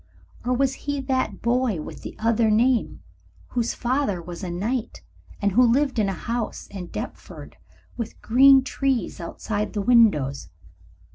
Or was he that boy with the other name whose father was a knight, and who lived in a house in Deptford with green trees outside the windows?